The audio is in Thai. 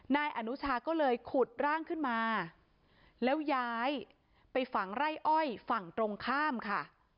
นายอนุชาก็เลยขุดร่างขึ้นมาแล้วย้ายไปฝังไร่อ้อยฝั่งตรงข้ามค่ะ